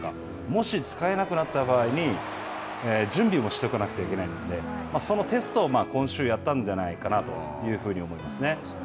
もし使えなくなった場合に準備もしておかなくてはいけないので、そのテストを今週やったのではないかなというふうに思いますね。